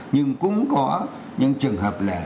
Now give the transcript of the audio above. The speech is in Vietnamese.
nhưng cũng có những trường hợp là